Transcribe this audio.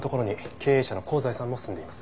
経営者の香西さんも住んでいます。